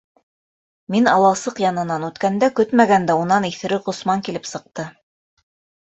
Мин аласыҡ янынан үткәндә, көтмәгәндә, унан иҫерек Ғосман килеп сыҡты...